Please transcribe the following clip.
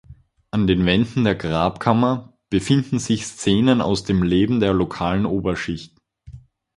An den Wänden der Grabkammer befinden sich Szenen aus dem Leben der lokalen Oberschicht.